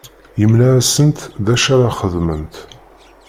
Yemla-asent d acu ara xedment.